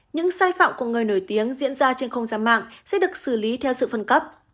những sai phạm của người nổi tiếng diễn ra trên không gian mạng sẽ được xử lý theo sự phân cấp